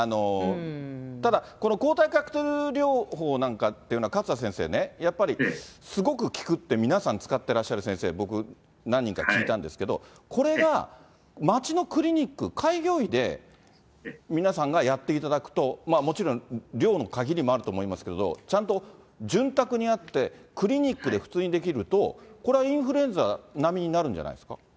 ただ、この抗体カクテル療法なんかっていうのは、勝田先生ね、やっぱりすごく効くって皆さん使ってらっしゃる先生、僕、何人か聞いたんですけど、これが町のクリニック、開業医で、皆さんがやっていただくと、もちろん量の限りもあると思いますけれども、ちゃんと潤沢にあって、クリニックで普通にできると、これはインフルエンザ並みになるんじゃないですか？